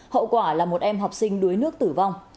hậu quả là một em học sinh đuối nước tử vong